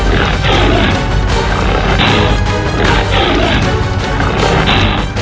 kau akan mati